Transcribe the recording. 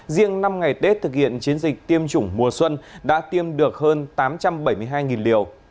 riêng năm ngày tết thực hiện chiến dịch tiêm chủng mùa xuân đã tiêm được hơn tám trăm bảy mươi hai liều